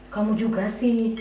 kamu juga sih